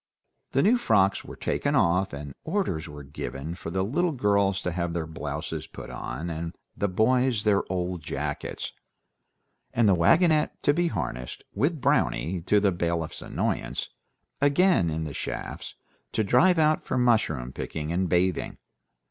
The new frocks were taken off, and orders were given for the little girls to have their blouses put on, and the boys their old jackets, and the wagonette to be harnessed; with Brownie, to the bailiff's annoyance, again in the shafts, to drive out for mushroom picking and bathing.